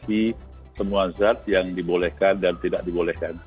tapi semua zat yang dibolehkan dan tidak dibolehkan